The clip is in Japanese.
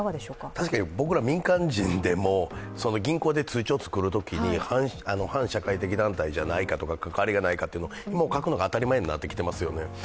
確かに僕ら民間人でも、銀行で通帳をつくるときに、反社会的団体じゃないかとか、関わりがないかとか書くのが当たり前になってきてますよね。